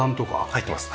入ってます。